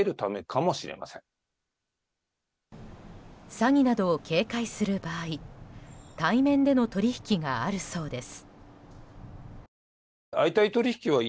詐欺などを警戒する場合対面での取引があるそうです。